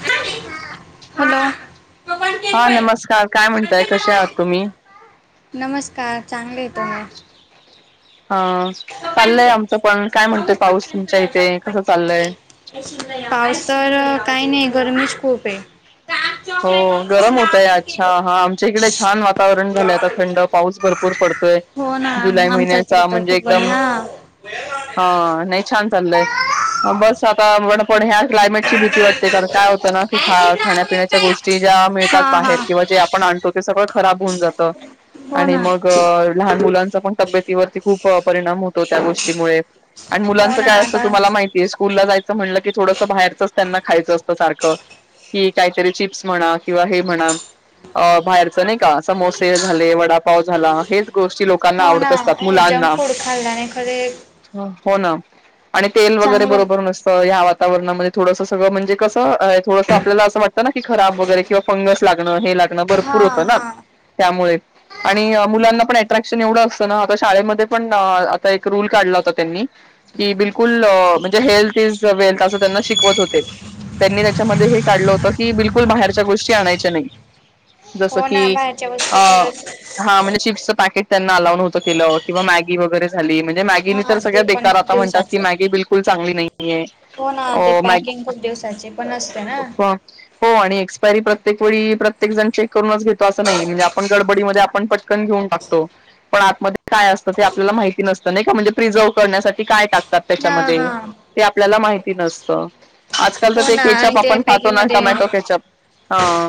Hello पप्पान cake हा पाहिजे नमस्कार काय म्हणताय म्हणजे कसे आहात मला तुम्ही नमस्कार चांगले य तो म हा चाललंय आमचं पण काय म्हणतय सांगूच पाऊस पटकन तो तुमच्या याच्या इथे पप्पान कसं चाललय पाऊस तर काही नाही गरमीच खूप आहे डार्क हो चॉकलेट वर कोण गरम होतय लावायचे आणि ते अच्छा देऊ हा आमच्या इकडे छान वा वातावरण झालंयता थंड पाऊस भरपूर पडतोय हो ना जुलै आमच्या इकडे महिन्याचा तर म्हणजे खूप एकदम बढिया हा नाही छान चाललय बस पण ह्या क्लायमेटची भीती वाते कारण काय होत ना की ख काय शिमला आवडेल काय गोी ज्या मिळतात हा हा बाहेर किंवा जे आपण आणतो ते सगळं खब जात हो आणि ना मग लहान मुलांचा पण तब्येतीवरती खूप परिणाम होत त्या गोष्टीमुळे आणि हो मुलांच ना काय असं आता तुम्हाला माहितीये स्कूल ला जायचं म्ह की थोडस बाहेरचच त्यांना खायचं असतं सारखं क काहीतरी चिप्स म्हणा किंवा हे म्हणा अ बाहेरच नाही का समोसे झाले वडापाव झाला हेच गोष्टी लोकांना हो आवडत ना असतात जंक मुलांना. फूड खाल्ला ख हो ना आणि तेल वगैरे चांगलं बरोबर नाही. नसतं ह वातावरणामध्ये थोडसं सगळं म्हणजेसं थडंसं आपल्याला असं वाततं ना की खराब वगैरे किंवा फंगस भपर हा हो हा त्यामुळे मुं अट्रॅक्शन एवढं असत ना आता शाळेमध्ये पण आता एक रूल काढला होता त्यांनी कि बिलकुल म्हणजे हेल्थ इज वेल्थ असं त्यांना शिकवत होते त्यांनी त्याच्यामध्ये हे काढलं होतं की बिलकुल बाहेरच्या गोष्टी आणायच्या नाही हो ना बाहेरच्या कीा वस्तू खरंच म्हणजेिपके त्यां अत के गी वगैरे झाली म्हणजे मॅगी तर हा ते सगळ्या पण बकार खूप आता म्हणात की दिवसाचे मगी बिलकुल चांगली नाहीये हो ना अ ते मॅग पॅकिंग खूप दिवसाचे पण असते ना हो आणि एक्सपायरी प्रत्येक वेळी प्रत्येक जण चेक करूनच घेतो असं नाही म्हणजे आपण गडबडीमध्ये आपण पटकन णत काय असत आपल्याला माहिती नसत का म्हणजे प्रिझर्व करण्यासाठी काय टाकत हा त्याच्यामध्ये हा ते आपल्याला माहिती नसत आजकाल तर हो ते ना आणि केचाप ते आपण खातो पॅकिंग मध्ये टमॅटो केचअप हा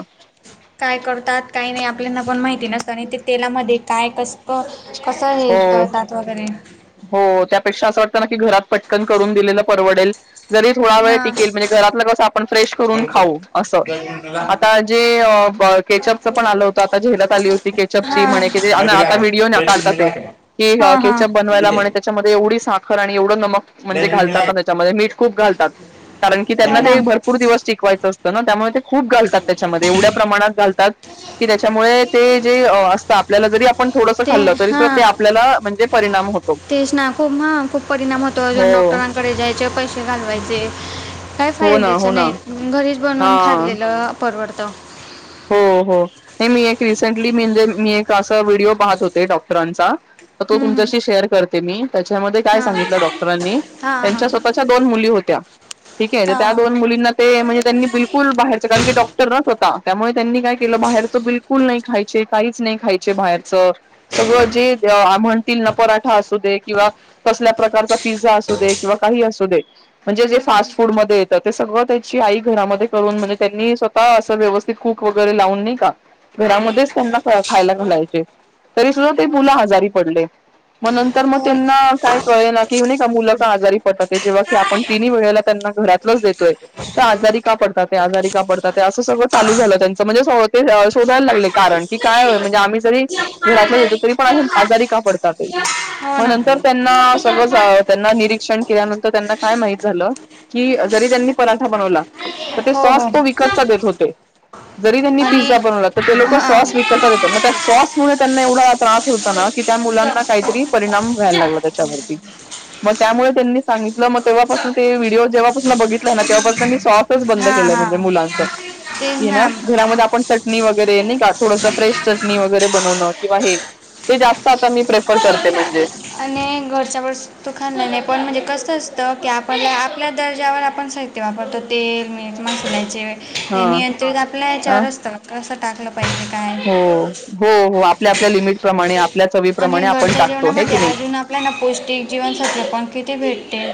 काय करतात काय नाही आपल्याना पण माहिती सत आणि ते तेलामध्ये काय कस कसं हे हो तळतात वगैरे हो त्यापेक्षा असं वाट की घरात पटकन करून दिलेलं परवडेल जरी थोडा वेळ हा टिकेल म्हणजे घरातलं कसं आपण फ्रेश करून हा खाऊ असं आता जे केचअपच पण आलं होतं आता झेलत आली होती केचप ची म्हणे आता व्हिडिओ ना काढतात ते कि ह हा केचप बनवायला म्हणे त्याच्यामध्ये एवढी साखर आणि एवढं नमक म्हणजे घालतात हा ना त्याच्यामध्ये मीठ खूप घालतात कारण की हो त्यांना ना ते भरपूर दिवस टिकवायचं असत ना त्यामुळे ते खूप घालतात त्याच्यामध्ये एवढ्या प्रमाणात घालतात की त्याच्यामुळे ते जे असतात आपल्याला जरी आपण थोडंसं ते खाल्लं तरी हा सुद्धा ते आपल्याला म्हणजे परिणाम होतो तेच ना खूप ह खूप परिणाम होतो हो अजून डॉक्टरांकडे जायचे पैसे घालवायचे काय हो ना फायद्याच हो ना नाही घरीच हा बनवून खाल्लेलं परवडत हो हो हे मी एक रिसेंटली म्हजे मी एक असा व्हिडिओ पाहत होते डॉक्टरांचा तर तो हम्म हम्म तुमच्याशी शेअर करते मी त्याच्यामध्ये काय हां सांगितलं डॉक्टरांनी हां त्यांच्या स्वतःच्या दोन मुली होत्या ठीक आहे हां हां त्या हां दोन मुलींना ते म्हणजे त्यांनी बिलकुल बाहेरच कारण की डॉक्टर न स्वता त्यामुळे त्यांनी काय केलं बाहेरचं बिलकुल नाही खायचे काहीच नाही खायचे बाहेरच सगळं जे म्हणतील ना पराठा असू दे किंवा कसल्या प्रकारचा पिझ्झा असू दे किंवा काही असू दे म्हणजे जे हम्म फास्ट फूड हम्म म येतात ते सगळं त्याची आई घरामध्ये करून म्हणजे त्यांनी स्वतः अस व्यवस्. कूक वगैरे लावून नाही का घरामध्येच त्यांना खायला घालायचे. तरी सुद्धा ते हो ना मुला हजारी पडले. मग नंतर मग हो हो ना त्यांना काय कळेल की नाही का मुलं आजारी पटत जेव्हा की आपण तिन् वेळेला. देतोय आजारी का पडात आजारी का पडात असं. चालू झाच म्हणजे शोधायला लागले कारण की कायय म्हणजे आम्ही जरी घराततो तरी पण आजारी त्यां सगळं त्यांना निरीक्षण केल्यानंतर त्यांना काय माहित झालं की जरी त्यांनी पराठा बनवला तर ते हो सहस हो तो विकतचा देत होते जरी त्यांनी आणि पिझ्झा बनवला तर ते लोक हा सॉस विक येत मग त्या सॉस मु त्यांना एवढा त्रास होतो कि त्या जा मुलांना काहीतरी परिणाम व्हायला जा लागला त्याच्यावरती मग त्यामुळे त्यांनी सांगितलं मग जा तेव्हापासून ते व्हिडओ जेव्हापसून बघितला ना तेव्हापासून मी शॉसच बंद हां केला हां म्हणजे मुलांच हे ना घरामध्ये आपण चटणी वगैरे नाही का थोडस फ्रेश चटणी वगैरे बनवणं किंवा हे ते जास्त आता मी प्रेफर करते म्हणजे आणि घरच्या व तु खा नाही नाही पण म्हणजे कसं असतं की आपणला आपल्या दर्जावर आपण साहित्य वापरतो तेल मीठ मसाल्याचे हा ते नियंत्रित आपल्या या अ चवर र असतं कसं टाकलं पाहिजे काय हो हो हो आपल्या आपल्या लिमिटपमाणे आणि घरच्या जेवणामध्ये अजून आपल्याला पौष्टिक जीवनसत्त्व पण किती भेटते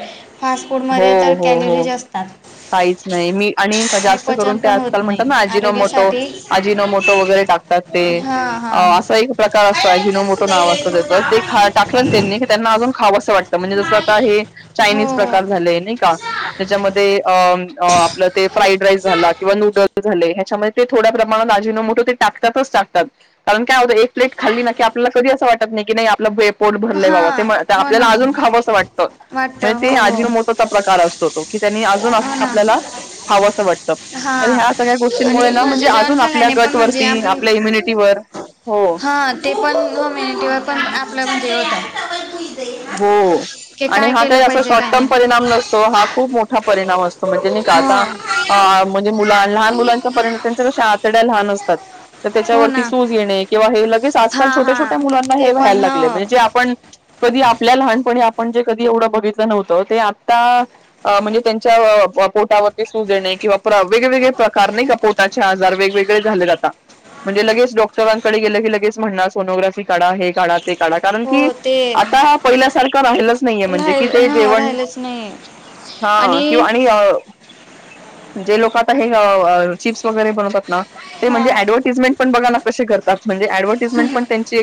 फास्ट फूडमध्ये तर हो हो हो कॅलरीज असतात काहीच नाही मी आणि जास्त करून पचन ते पण होत आजकाल नाही म्हणतात ना अजिनोमोटो आरोग्यासाठी अजिनोमोटो वगैरे टाकतो ते हां हां असा एक प्रकार असतो अजिनोमोठ व अस त्या ते टाकलं त्यांनी त्यांना अजून खावं असं वाटतं म्हणजे जस आता हे चायनीज. झा हो का त्याच्या आप ते फ्राईड राईस झाला किंवा नूड च्या थोड्या प्रमाणात आजीनोमोठ ते टाकातच टाकतात कारण काय एक प्लेट खाल्लीी. आपला कधी असं वाटत नाही की नाही आपलं पोट भरलंय हा बावं हो ना आपल्याला अजून खावं असं वाटतं. वाटतं हो ते हो आजिनोमोटो प्रकार असतो तो की त्यांनी अजून हो ना आपल्याला. खावं असं वाटतं हा तर ह्या सगळ्या आणि गोष्टींमुळे ना म्हणजे घरचे जेवण अजून आपल्या खाल्ल्याने पण गट म्हणजे वरती आपण आपल्या इम्युनिटीवर. हो हा ते पण होमेनिटिवा पण आपल्यामध्ये होता हो आणि हा काही अस पाहिजे शॉर्ट काय टर्म नाही परिणाम नसतो हा खूप मोठा परिणाम असतो म्हणजे नाही का हो आता म्हणजे मुला लहान मुलांच्या पर्यंत त्यांच्या कशा आतड्या लहान असतात तर हो त्याच्यावरती ना सूज येणे किंवा हे ल आजल हा छोट्या हा छोट्या मुलांना ते हे वयला पण ह लागले म्हणजेे आप कधी आपल्या लहानपणी आपण जे कधी एवढं बघितलं नव्हतं ते आता म्हणजे त्यांच्या पोटावरती सूज देणे किंवा वेगवेगळे प्रकार नाही का पोटाचे आजार वेगवेगळे झाले ज आता म्हणजे लगेच डॉक्टरांकडे गेलं की लगेच म्हणणा सोनोग्राफी काढा हे काढा ते काढा कारण की हो ते आता हा पहिल्यासारखा राहिलाच नाहीये म्हणजे कि राहिल ते हा जेवण राहिलच नाही हा किं आणि अ जे लोक आता हे चिप्स वगैरे बनवतात ना ते हा म्हणजे हा. ऍडव्हर्टीजमेंट पण बघाला कशी करतात ऐडवरटाजमैट पण कशी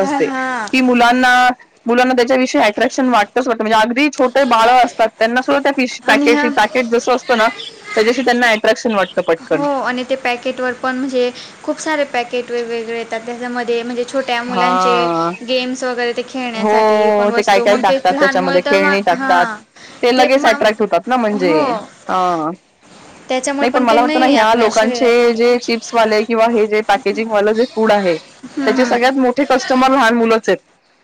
हा असतात हा मुलांना त्याच्याषयी हयफ्रक्शन वाटतच वातं म्हणजे अगदी छोटे बाळ असतात त्यांना सुद्धा फिश आणि पकेट हा पॅकेट जस असतो ना त्याच्याशी त्यांना प्रक्षन वाट हो आणि ते पॅकेट वर पण म्हणजे खूप सारे पॅकेट वेगवेगळे येतात त्याच्यामध्ये म्हणजे छोट्या मुलांचे हा गेम्स वगैरे ते हो खेळण्यासाठी पण ते काय वस्तो काय मग ते टाकतात लहान मु त्याच्यामध्ये तर खेळणी मग हां ते लगेच अट्रॅक् होतात म्हणजे त्याच्या नाही पण मला वाटतं ना ह्या लोकांचे जे हम्म चिप्स वाले किंवा हे जे पॅकेजिंग वालं जे फूड आहे हम् हम सग्यात मोठे कस्टमर लहान मुलंच आहेत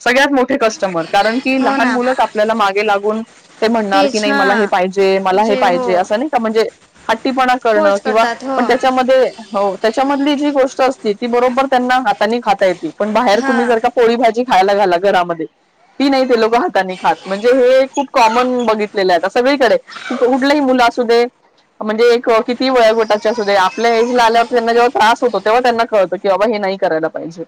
सगळ्यात मोठे कस्टमर कारण की हो लहान ना मुलं आपल्याला मागे लागून ते म्हणणार की तेच नाही मला हे हां जे हो पाहिजे अस म्हणजे हपण फोर्स किंवा करतात हो पण त्याच्यामध्ये त्या गोष्ट अस त बरोबर त्यांना हाता खाता येत पण बाहेर हां तुम्ही जर पोळी भाजी खायला घाला घरामध्ये ती नाही ते लोक हातानी खात म्हणजे हे खूप कॉमन बघितलेलं आहेता सगळीकडे कठल्याही मुलं जाासू दे म्हणजे एक किती वेय गोटाच्या असू आपल्या एज ला आल्यावर त्यांना जेव्हा त्रास होतो तेव्हा त्यांना कळतं की बाबा हे क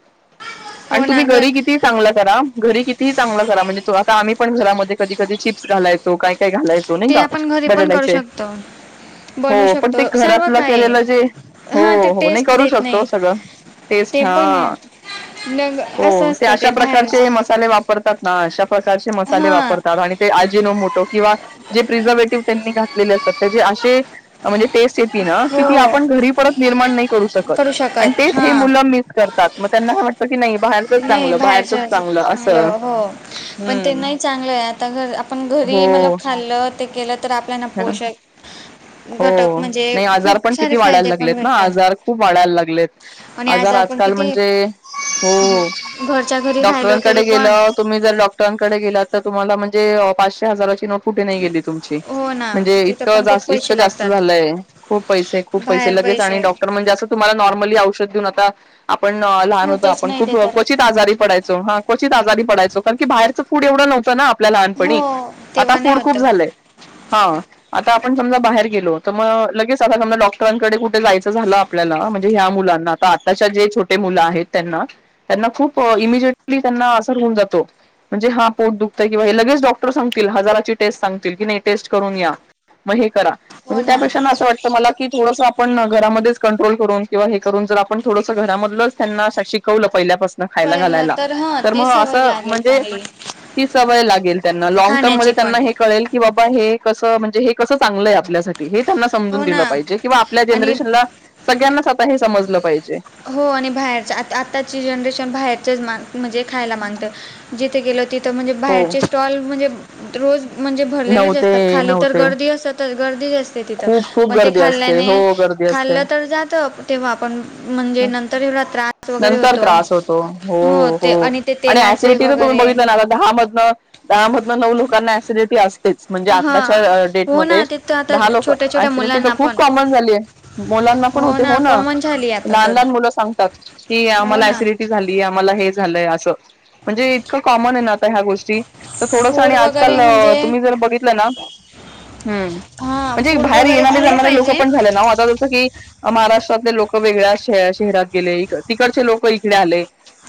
हो तुम्ही ना ग घरी कि चग करा घरी कि चग करा म्हण आम्हीण घरामध्ये कधी कधी चिप्स घालायचो का काय घालायचो नाही ते का आपण घरी पण करू बटट्याचे. शकतो बनवू हो पण ते शकतो सर्व घरातलं काही केलेलं जे हो हां ते हो नाही टेस्ट करू देत शकतो नाही सगळं. टेस्ट ते हा पण आहे लग हो असं ते असतं अशा बाहेरचं प्रकारचे मसाले वापरतात ना अशा प्रकारचे मसाले हां वापरतात आणि ते आजेनो मोटो किंवा जे प्रिझर्वेटिव्ह त्यांनी घातलेले असतात त्या असे म्हणजे टेस्ट हो येती आपण घरी परत निर्माण नाही करू शकत शकत आणि हां मुल मिस [unintelligible] त त्यांना वाटतं की नाही बाहेरचंच नाही चांगलं बाहेरचंच चांगलं बाहेरचल असं हो पण ते हम्म नाही चांगलंय आता घर. आपण घरी मला हो खाल्त. तर आपल्याना पोषक हो घटक म्हणजे नाही आजार खूप पण सारे किती वाढायला फायदे पण लागलेत ना आजार भेटतात खूप वाढायला लागलेत आणि आजार पण आजकाल किती म्हणजे हो घरच्या घरी राहिलो तरी डॉक्टरांकडे पण गेलं तुम्ही जर डॉक्टरांकडे गेला तर तुम्हाला म्ह म्हे पाचशे हजाराची नोट फुठे नाही गेली तुमची हो ना म्हणजे तिथं इतकं पण खूप जास् इतकं पैसे जास्त लागतात झालंय खूप पैसे खूप पैसे लगेच आणि डॉक्टर म्हणजे जास्त तुम्हा नॉर्मली औषध आ आपण लहान होतो होतच आपण नाही ते खूप तर क्वित आजारी पडायचो हा क्वचित आजारी पडायच कारण की बाहेरच फूड एवढं नव्हतं ना आपल्या हो लहानपणी आता तेव्हा नाही फूड होत खूप झालंय. हा आता आपण समजा बाहेर गेलो तर मग लगेच आता समजा डॉक्टरांकडे कुठे जायचं झालं आपल्या. म्हणजे या मुलांना आता आताचे छोटे मुल आहेत त्यांना त्यांना खूप इमिजेटली त्यांना असं होऊन जातं म्हणजे हा पोट दुखते का काय लगेच डॉक्टर सांगते हजाराची टेस्ट सांगते टेस्ट करून या मग हे हो णे ना त्यापेक्ष वाट मला क थोड आपण घरामध्ये कंट्रोल करून किंवा हे करून जर आपण पण थोडसं घरामधलंच त्यांना शिकवलं. पहिल्यापासन खायला पहिला घालायला हा तर ती मग सवय असं लागेल म्हणजे चांगली ती सवय लागेल त्यांना लँग टर्म मध्ये खाण्याची पण त्यांना हे कळेल की बा हे कस म्हणजे हे कसं चांगलंय आपल्यासाठी त्यांना समजून हो ना दिलं पाहिजे किंवा आपल्या आणि जनरेशनला सगळ्यांनाच आता हे समजलं पाहिजे. हो आणि बाहेरच आ आताची जनरेशन बाहेरचेच मान म्हणजे खायला मागतं जिथे गेलो तिथं म्हणजे हो बाहेरचे स्टॉल म्हणजे रोज म्हणजे भरलेलेच नव्हते असतात खाली तर नव्हते गर्दी असतच गर्दी तिथ खूप खूप पण ते गर्दी असते खाल्ल्याने हो गर्दी असते खाल्लं तर जात तेव्हा आपण म्हणजे नंतर एवढा त्रास वगैरे नंतर होतो त्रास होतो हो ते आणि ते तेलाचे [unintelligible] वगैरे. दहामधन दहामधन नऊ लोकां ॲसिडिटी असते म्हणजे हां आत्ताच्या डेट हो मधे ना ते तर आता दहा लोक छोट्या छोट्या ॲसिडिटी तर मुलांना खूप पण कॉमन झाली आहे मुलांना पण होते हो ना. कॉमन झाली आता लहान तर लहान मुलं सांगतात की हो आम्हाला ना ऍसिडिटी झाली आम्हाला हे झालंय असं म्हणजे इत कॉमन आहे ना आता ह्या गोष्टी तर थोडस फूड आणि आजकाल वगैरे म्हणजे तुम्ही जर बघितलं ना. हम्म हां म्हणजे फूड बाहेर वगैरे येणारे खाल्लं जाणारे लोक पाहिजे पण झाले ना आता जस की महाराष्ट्रातले लोक वेगळ्याच शहरात. तिकडची लोक इकडे आले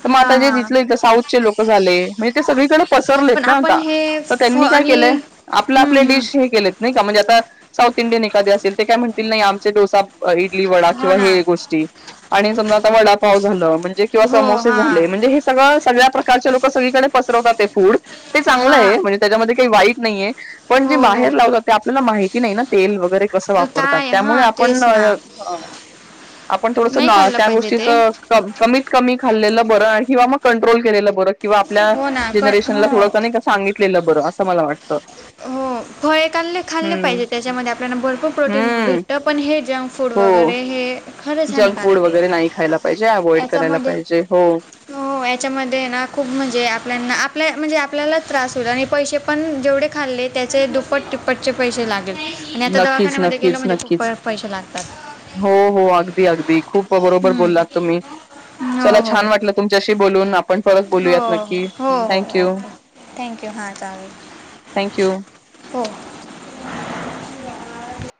मग हां आता हां जिथले साऊथचे लोक झाले म्हणजे सगळीकडे. पसरलेत पण ना आपण आता हे तर फ त्यांनी काय आणि केलंय आपले हम्म, आपले हम्म. डिश हे केलेत नाही का म्हणजे आता साऊथ इंडियन एखादे असेल ते काय म्हणतील नाही आमचे डोसा, इडली, वडा हो किंवा ना हे समजा आता वडापाव झाल म्हणजे किंवा हो समोसे हां झाले, म्हणजे हे सगळं सगळ्या प्रकारचे लोक सगळीकडे पसरवतात ते फूड ते चांगलं आहे हां म्हणजे त्याच्यामध्ये काही वाईट नाहीय. पण हो जे हो बाहेर लाव जाते आपल्याला माहिती नाही ना तेल वगैरे वैगेरे कस वापरतात काय त्यामुळे हां आपण तेच ना आपण थोडस नाही खाल्लं त्या पाहिजे गोष्टीच ते कमीत कमी खाल्लेलं बर किंवा कंट्रोल केलेलं बर किंवा आपल्या हो ना कण जनरेशला हो थोडस कमी सांगितलेलं. लं बर असं मला वाटतं ह हो फळे खाल्ले खाल्ले पाहिजे त्याच्यामध्ये आपल्याला भरपूर प्रोटीन हम्म भेटत पण हे जंक फूड हो वगैरे हे खरंच जंक फूड हानिकारक वगैरे आहे नाही खायला पाहिजे अव्हइड करायला याच्यामध्ये पाहिजे हो हो याच्यामध्ये ना खूप म्हणजे आपल्याना आपल्या म्हणजे आपल्याला त्रास होईल आणि पैसे पण जेवढे खाल्ले त्याचे दुप्ट टिप्पटचे पैसे लागले आणि आता नक्कीच दवाखान्यामध्ये गेलं नक्कीच म्हणजे खूप नक्कीच पैसे लागतात हो हो अगदी अगदी खूप बरोबर हम्म. बोललात तुम्ही हो चला हो छान वाटलं तुमच्याशी बोलून आपण परत बोलूयात नक्की थँक्यू थँंक यू हा चांगल थँक्यू हो [inaudible]